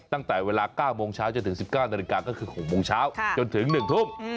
ตั้งแต่เวลา๙โมงเช้าจนถึง๑๙นาฬิกาก็คือ๖โมงเช้าจนถึง๑ทุ่ม